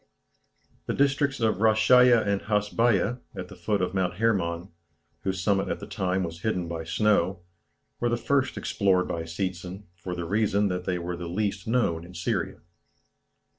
The districts of Rasheiya and Hasbeiya, at the foot of Mount Hermon whose summit at the time was hidden by snow were the first explored by Seetzen, for the reason that they were the least known in Syria.